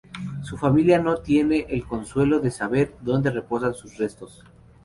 Su familia no tiene el consuelo de saber dónde reposan sus restos.